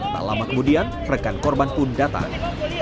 tak lama kemudian rekan korban pun datang